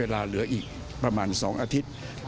มีผู้ชมลงที่ดูเหมือนจะไร้แรง